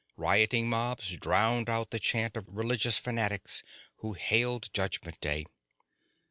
Rioting mobs drowned out the chant of religious fanatics who hailed Judgment Day.